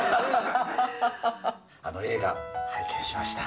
あの映画、拝見しました。